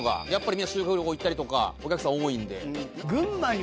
みんな修学旅行行ったりとかお客さん多いんで。